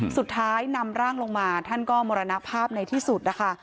สุดท้ายนำร่างลงมาท่านก็มรณภาพในที่สุดนะคะ